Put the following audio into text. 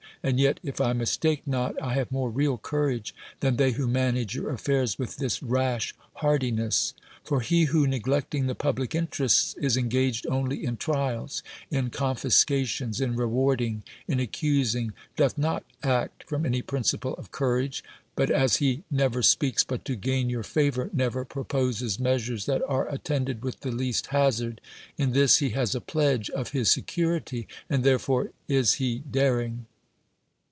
And yet, if I mistake not, I have more real courage than they who manage your affairs with this rash hardiness. For he who, neglecting the public in terests, is engaged only in trials, in confiscations, in rewarding, in accusing, doth not act from any principle of courage, but as he never speaks but to gain your favor, never proposes measures that are attended with the least hazard ; in this he has a pledge of his security, and therefore is he daring.